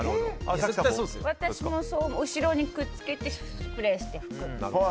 私も後ろにくっつけてスプレーして拭く。